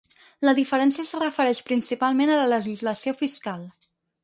La diferència es refereix principalment a la legislació fiscal.